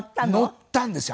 乗ったんですよ。